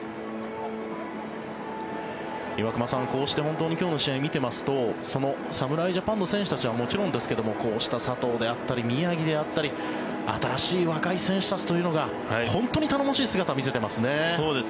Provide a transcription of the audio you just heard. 岩隈さん、こうして本当に今日の試合を見てますと侍ジャパンの選手たちはもちろんですけどもこうした佐藤であったり宮城であったり新しい若い選手たちというのが本当に頼もしい姿を見せてます。